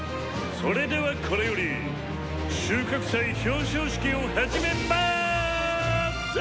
「それではこれより収穫祭表彰式を始めます！」。